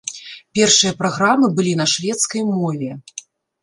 Першыя праграмы былі на шведскай мове.